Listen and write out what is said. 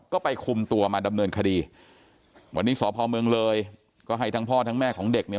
ก็ไปคุมตัวมาดำเนินคดีวันนี้สพเมืองเลยก็ให้ทั้งพ่อทั้งแม่ของเด็กเนี่ย